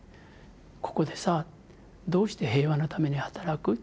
ここでさどうして平和のために働く？